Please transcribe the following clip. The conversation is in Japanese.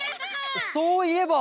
そういえば。